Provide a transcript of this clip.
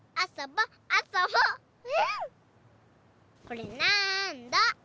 これなんだ？